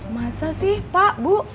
masa sih pak bu